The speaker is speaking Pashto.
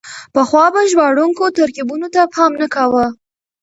پخوا به ژباړونکو ترکيبونو ته پام نه کاوه.